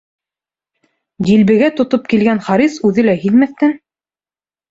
Дилбегә тотоп килгән Харис, үҙе лә һиҙмәҫтән: